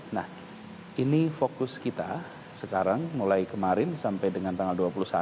nah ini fokus kita sekarang mulai kemarin sampai dengan tanggal dua puluh satu